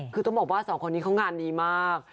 คือต้องบอกว่าสองคนนี้เขางานดีมาก